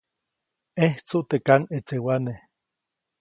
ʼẼjtsuʼt teʼ kaŋʼetsewane.